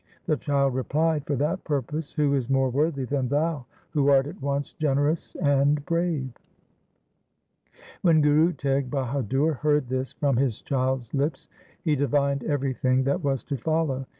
The child replied :' For that purpose who is more worthy than thou who art at once generous and brave ?' 1 When Guru Teg Bahadur heard this from his child's lips he divined everything that was to follow.